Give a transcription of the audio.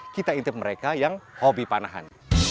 kita intip mereka yang hobi panahan